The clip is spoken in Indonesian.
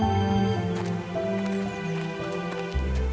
kami akan menunggu